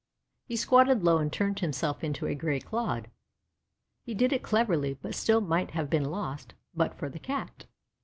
He squatted low and turned himself into a gray clod. He did it cleverly, but still might have been lost but for the Cat.